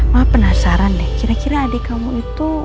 wah penasaran deh kira kira adik kamu itu